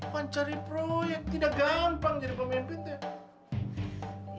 kan cari proyek tidak gampang jadi pemimpin teh